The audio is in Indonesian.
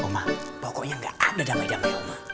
ayo omah pokoknya gak ada damai damai omah